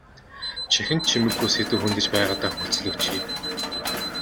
Чихэнд чимэггүй сэдэв хөндөж байгаадаа хүлцэл өчье.